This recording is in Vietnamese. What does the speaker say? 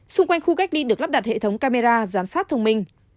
xung quanh khu cách ly được lắp đặt hệ thống camera giám sát thông minh